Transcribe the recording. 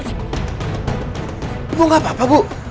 ibu apa apa ibu